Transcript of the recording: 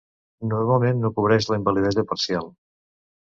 Normalment no cobreix la invalidesa parcial.